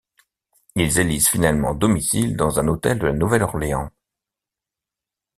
Ils élisent finalement domicile dans un hôtel de La Nouvelle-Orléans.